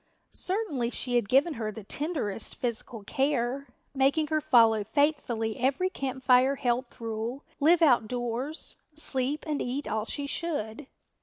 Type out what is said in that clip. Certainly she had given her the tenderest physical care, making her follow faithfully every Camp Fire health rule, live outdoors, sleep and eat all she should.